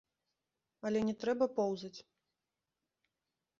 Але не трэба поўзаць.